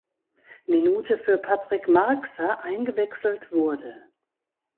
Minute für Patrik Marxer eingewechselt wurde.